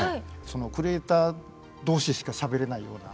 クリエーター同士しかしゃべれないような。